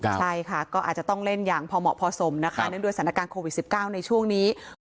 ใช่ค่ะก็อาจจะต้องเล่นอย่างพอเหมาะพอสมนะคะเนื่องด้วยสถานการณ์โควิด๑๙ในช่วงนี้